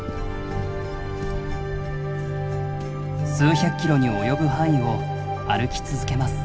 数百キロに及ぶ範囲を歩き続けます。